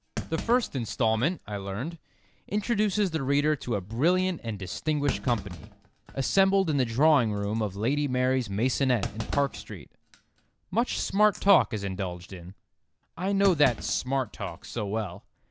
"The first instalment," I learned, "introduces the reader to a brilliant and distinguished company, assembled in the drawing room of Lady Mary's maisonette in Park Street. Much smart talk is indulged in." I know that "smart talk" so well.